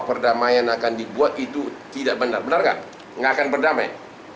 perdamaian akan dibuat itu tidak benar benar kan nggak akan berdamai